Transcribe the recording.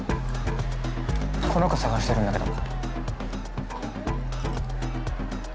この子捜してるんだけど。